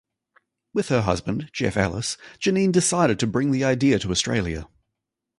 With her husband, Jeff Allis, Janine decided to bring the idea to Australia.